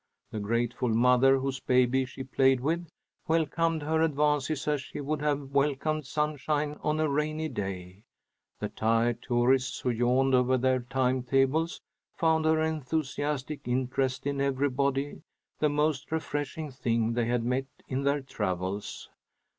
The grateful mother whose baby she played with, welcomed her advances as she would have welcomed sunshine on a rainy day. The tired tourists who yawned over their time tables, found her enthusiastic interest in everybody the most refreshing thing they had met in their travels.